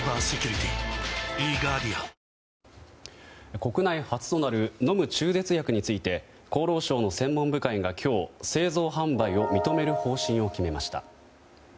国内初となる飲む中絶薬について厚労省の専門部会が今日製造・販売を認める方針を決めました。